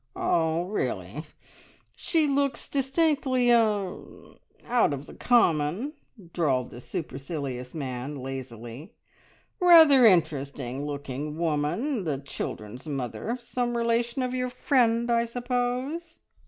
"Ah, really! She looks distinctly er out of the common," drawled the supercilious man lazily. "Rather interesting looking woman, the children's mother. Some relation of your friend, I suppose?"